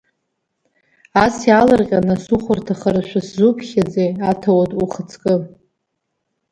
Ас иаалырҟьаны сухәарҭахарашәа сзуԥхьаӡеи, аҭауад, ухаҵкы?